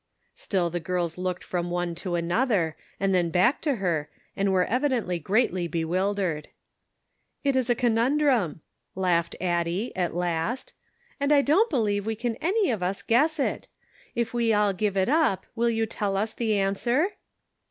Still the girls looked from one to another, and then back to her, and were evidently greatly bewildered. " It is a conundrum," laughed Addie, at last " and I don't believe we can any of us guess it. If we all give it up will you tell us the answer